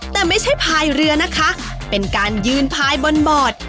แต่ไม่ใช่พายเรือนะคะเป็นการยืนภายบนบอร์ด